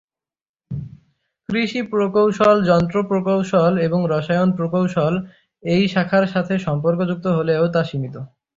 কৃষি প্রকৌশল, যন্ত্র প্রকৌশল, এবং রসায়ন প্রকৌশল এই শাখার সাথে সম্পর্কযুক্ত হলেও তা সীমিত।